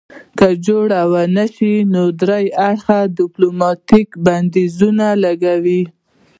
که جوړجاړی ونشي نو دریم اړخ ډیپلوماتیک بندیزونه لګوي